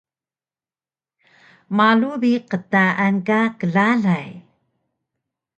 Malu bi qtaan ka klalay